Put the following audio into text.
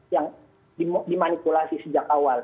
yang dimanipulasi sejak awal